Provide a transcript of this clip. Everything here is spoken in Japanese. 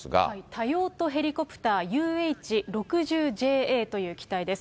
多用途ヘリコプターＵＨ６０ＪＡという機体です。